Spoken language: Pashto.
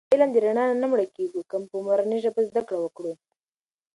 د علم د رڼا نه مړکېږو که په مورنۍ ژبه زده کړه وکړو.